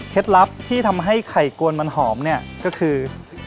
ลับที่ทำให้ไข่กวนมันหอมเนี่ยก็คือ